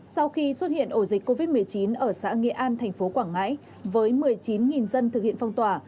sau khi xuất hiện ổ dịch covid một mươi chín ở xã nghĩa an thành phố quảng ngãi với một mươi chín dân thực hiện phong tỏa